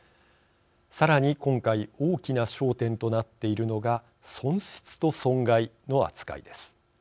さらに今回大きな焦点となっているのが損失と損害の扱いです。